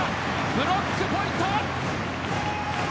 ブロックポイント！